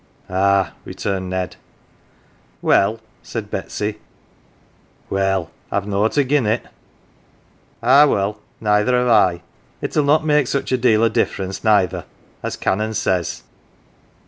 " Ah," returned Ned. "Well? "said Betsy, " Well I've nought agin it." " Ah well neither have I. It'll not make such a deal of difference, neither, as Canon says."